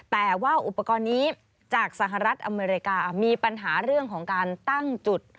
แต่ว่าอุปกรณ์นี้จากสหรัฐอเมริกามีปัญหาเรื่องของการตั้งจุด